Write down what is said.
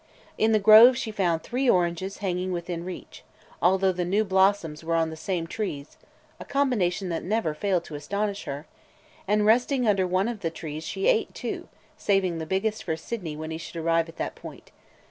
In the grove she found three oranges hanging within reach, although the new blossoms were on the same trees (a combination that never failed to astonish her!), and resting under one of the trees she ate two, saving the biggest for Sydney when he should arrive at that point.